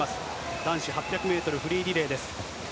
男子８００メートルフリーリレーです。